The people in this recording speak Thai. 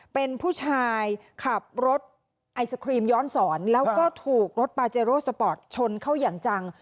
เป็นผู้ชายขับรถไอศครีมย้อนสอนแล้วก็ถูกรถปาเจโรสปอร์ตชนเข้าอย่างจัง